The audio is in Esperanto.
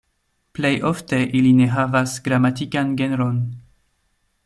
Plej ofte ili ne havas gramatikan genron.